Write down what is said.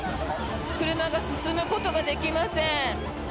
車が進むことができません。